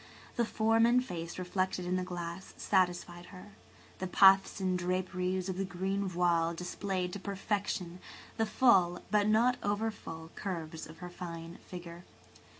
The form and face reflected in the glass satisfied her. The puffs and draperies of the green voile displayed to perfection the full, but not over full, curves of her fine figure.